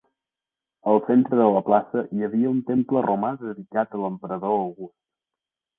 Al centre de la plaça, hi havia un temple romà dedicat a l'emperador August.